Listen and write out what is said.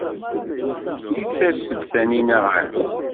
I tas-d Taninna ɣer da?